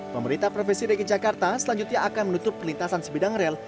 pemerintah provinsi dki jakarta selanjutnya akan menutup perlintasan sebidang rel